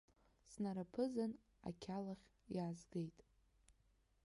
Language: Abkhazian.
Снараԥызан, ақьалахь иаазгеит.